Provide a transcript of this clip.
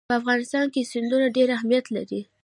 په افغانستان کې سیندونه ډېر اهمیت لري.